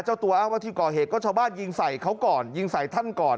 เจ้าตัวอ้างว่าที่ก่อเหตุก็ชาวบ้านยิงใส่เขาก่อนยิงใส่ท่านก่อน